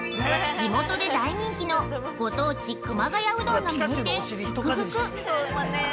◆地元で大人気のご当地、熊谷うどんの名店・福福。